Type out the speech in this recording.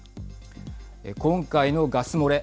今回のガス漏れ